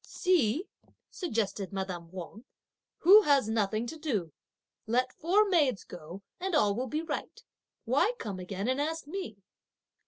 "See," suggested madame Wang, "who has nothing to do; let four maids go and all will be right! why come again and ask me?"